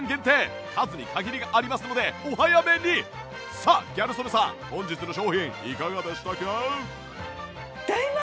さあギャル曽根さん本日の商品いかがでしたか？